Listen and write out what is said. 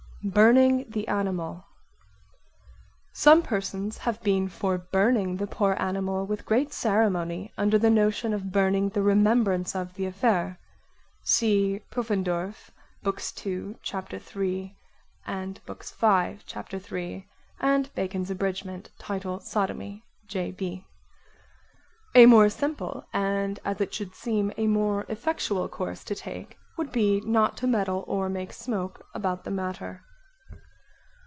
Burning the animal Some persons have been for burning the poor animal with great ceremony under the notion of burning the remembrance of the affair. (See Puffendorf, Bks. 2, Ch. 3, 5. 3. Bacon's Abridg. Title Sodomy. J.B.) A more simple and as it should seem a more effectual course to take would be not to meddle or make smoke [?] about the matter.